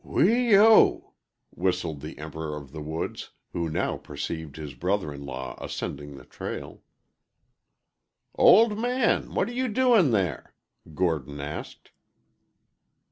"Whee o!" whistled the "Emperor of the Woods," who now perceived his brother in law ascending the trail. "Old man, what are you doing there?" Gordon asked.